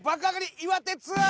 岩手ツアー！